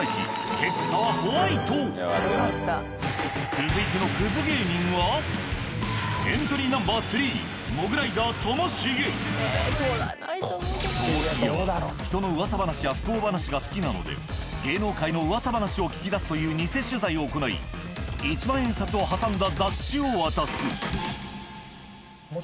続いてのクズ芸人はエントリーナンバーともしげは人のうわさ話や不幸話が好きなので芸能界のうわさ話を聞き出すというニセ取材を行い１万円札を挟んだ雑誌を渡す。